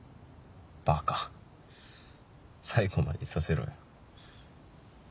バカ最後までいさせろよ。